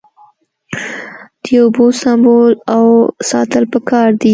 د اوبو سپمول او ساتل پکار دي.